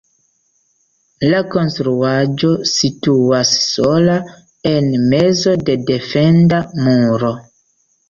La konstruaĵo situas sola en mezo de defenda muro.